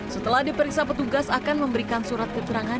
setelah diperiksa petugas akan memberikan surat keterangan